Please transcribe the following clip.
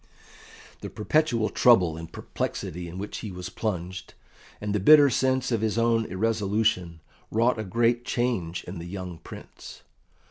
The perpetual trouble and perplexity in which he was plunged, and the bitter sense of his own irresolution, wrought a great change in the young Prince.